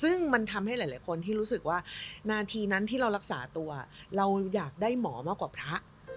ซึ่งมันทำให้หลายคนที่รู้สึกว่านาทีนั้นที่เรารักษาตัวเราอยากได้หมอมากกว่าพระ